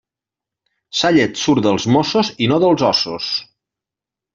Sa llet surt dels mossos i no dels ossos.